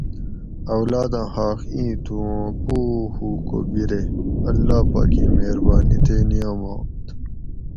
اولاداں حاق ایں تھو اوں پو ہُو کو بِرے اللّہ پاکیں مہربانی تے نعمات